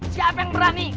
siapa yang berani